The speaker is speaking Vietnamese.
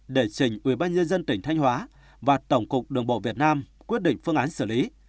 để trình ubnd tỉnh thanh hóa và tổng cục đường bộ việt nam quyết định phương án xử lý